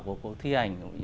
của cuộc thi ảnh